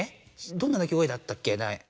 どんななき声だったっけ？